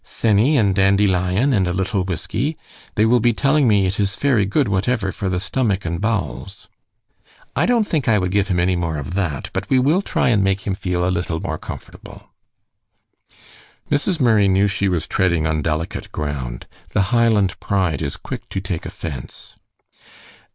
"Senny and dandylion, and a little whisky. They will be telling me it is ferry good whatever for the stomach and bow'ls." "I don't think I would give him any more of that; but we will try and make him feel a little more comfortable." Mrs. Murray knew she was treading on delicate ground. The Highland pride is quick to take offense.